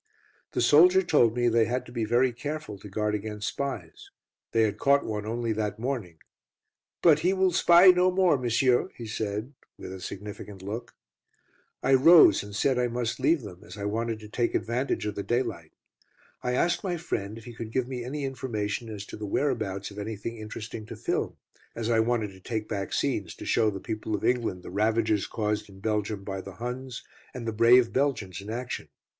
The soldier told me they had to be very careful to guard against spies. They had caught one only that morning, "but he will spy no more, monsieur," he said, with a significant look. I rose, and said I must leave them, as I wanted to take advantage of the daylight. I asked my friend if he could give me any information as to the whereabouts of anything interesting to film, as I wanted to take back scenes to show the people of England the ravages caused in Belgium by the Huns, and the brave Belgians in action.